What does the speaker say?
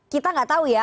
kita gak tahu ya